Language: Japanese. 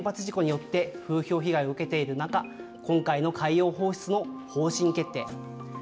もともと原発事故によって風評被害を受けている中、今回の海洋放出の方針決定。